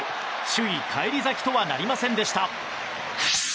首位返り咲きとはなりませんでした。